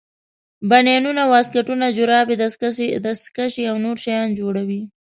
بنینونه واسکټونه جورابې دستکشې او نور شیان جوړوي.